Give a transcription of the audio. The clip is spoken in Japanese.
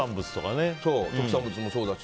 特産物もそうだし。